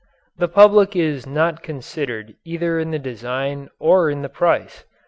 The public is not considered either in the design or in the price.